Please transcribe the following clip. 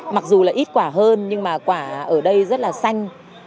mặc dù là ít quả hơn nhưng mà quả ở đây rất là xanh